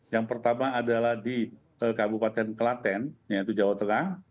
yang pertama adalah di kabupaten kelaten yaitu jawa tengah